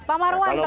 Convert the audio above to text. pak marwan terakhir